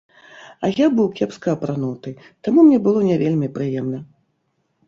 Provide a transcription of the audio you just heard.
А я быў кепска апрануты, таму мне было не вельмі прыемна.